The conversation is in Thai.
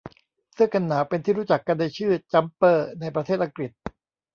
เสื้อกันหนาวเป็นที่รู้จักกันในชื่อ “จั๊มเปอร์” ในประเทษอังกฤษ